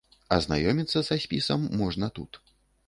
Азнаёміцца са спісам можна тут.